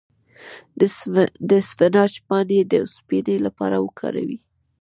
د اسفناج پاڼې د اوسپنې لپاره وکاروئ